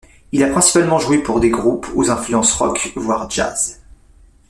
Il a principalement joué pour des groupes aux influences rock voire jazz.